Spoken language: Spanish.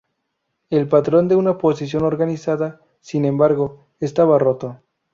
El patrón de una oposición organizada, sin embargo, estaba roto.